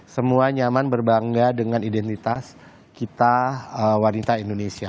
semua nyaman berbangga dengan identitas kita wanita indonesia